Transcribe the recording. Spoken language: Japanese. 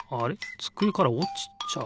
つくえからおちちゃう。